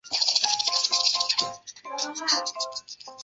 布利耶斯布吕。